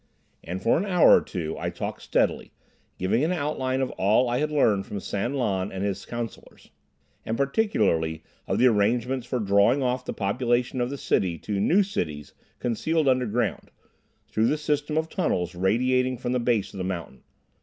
And for an hour or two I talked steadily, giving an outline of all I had learned from San Lan and his Councillors, and particularly of the arrangements for drawing off the population of the city to new cities concealed underground, through the system of tunnels radiating from the base of the mountain.